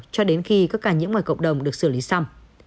cho đến khi các cả những ngoài cộng đồng được xử lý xong